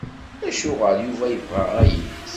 Acuɣer Yuba yebɣa ayis?